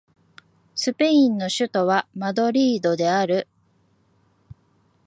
スペインの首都はマドリードである